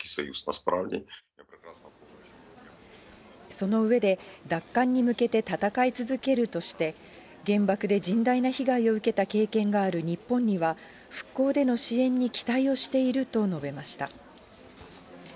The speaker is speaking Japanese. その上で、奪還に向けて戦い続けるとして、原爆で甚大な被害を受けた経験がある日本には、復興での支援に期待をしていると述べました。